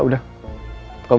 tidak ada masalah pak